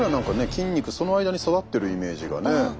筋肉その間に育ってるイメージがね。